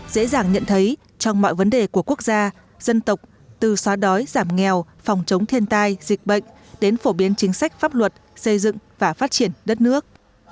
dễ dàng nhận thấy trong mọi vấn đề của quốc gia dân tộc từ xóa đói giảm nghèo phòng chống thiên tai dịch bệnh đến phổ biến chính sách pháp luật xây dựng và phát triển đất nước